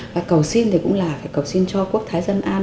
và cầu xin thì cũng là cái cầu xin cho quốc thái dân an